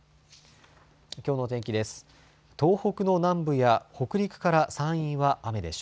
きょうの天気です。